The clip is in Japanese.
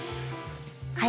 はい。